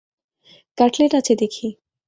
Cutlet আছে দেখি!